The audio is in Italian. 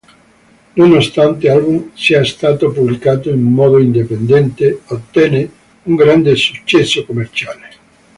Nonostante l'album sia stato pubblicato in modo indipendente ottenne un grande successo commerciale.